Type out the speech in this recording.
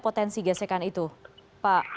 potensi gesekan itu pak